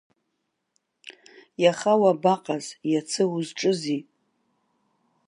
Иаха уабаҟаз иацы узҿызи.